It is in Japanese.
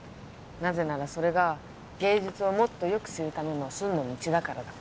なぜならそれが芸術をもっとよく知るための真の道だからだ